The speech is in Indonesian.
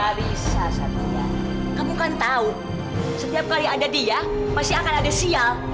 gak bisa satria kamu kan tahu setiap kali ada dia masih akan ada sial